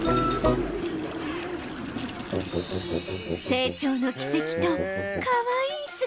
成長の軌跡とかわいい姿